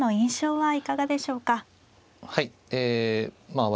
はい。